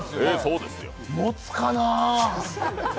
もつかなぁ。